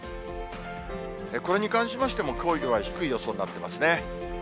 これに関しましても、きょうよりは低い予想になっていますね。